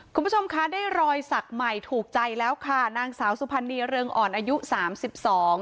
คุณผู้ชมคะได้รอยสักใหม่ถูกใจแล้วค่ะนางสาวสุพรรณีเรืองอ่อนอายุสามสิบสอง